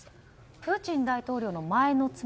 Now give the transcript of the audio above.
プーチン大統領の前の妻